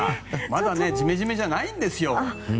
まだジメジメじゃないんですよ。